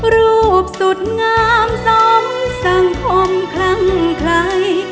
รูปสุดงามซ้ำสังคมคลังไข